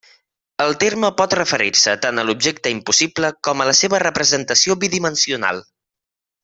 El terme pot referir-se tant a l'objecte impossible com a la seva representació bidimensional.